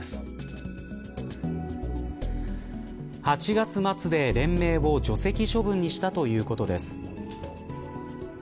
８月末で、連盟を除籍処分にしたということです。